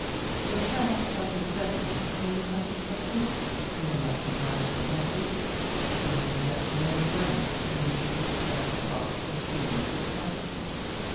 There had of necessity been much of secrecy in the life of Margaret Mackenzie. She had possessed no friend to whom she could express her thoughts and feelings with confidence.